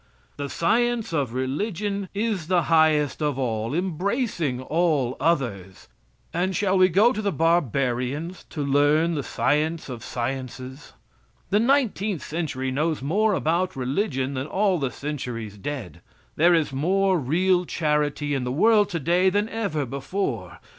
The science of religion is the highest of all, embracing all others. And shall we go to the barbarians to learn the science of sciences? The nineteenth century knows more about religion than all the centuries dead. There is more real charity in the world today than ever before.